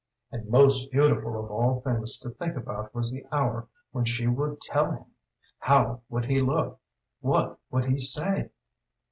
And most beautiful of all things to think about was the hour when she would tell him! How would he look? What would he say?